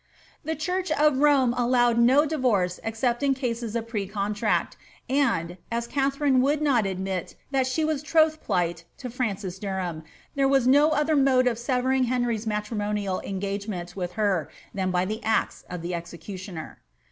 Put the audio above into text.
The Church of Rome allowed no divorce except in cases of precontract ; and, as Katharine would not admit that she wti troth plight to Francis Derham, there was no other mode of severing Henry's matrimonial engagement with her than by the axe of the exe cutioner.